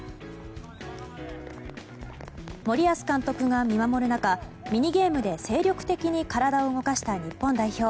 森保監督が見守る中ミニゲームで精力的に体を動かした日本代表。